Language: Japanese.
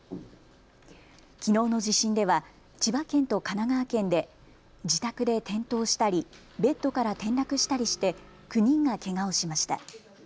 きのうの地震では千葉県と神奈川県で自宅で転倒したりベッドから転落したりして９人がけがをしました。